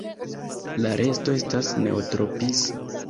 La resto estas neotropisa.